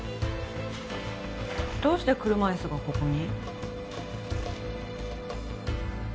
どうして車いすがここに？